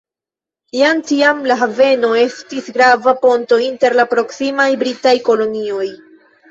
Jam tiam la haveno estis grava ponto inter la proksimaj britaj kolonioj.